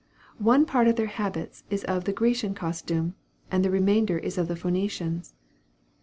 One part of their habit is of the Grecian costume, and the remainder is of the Phoenicians.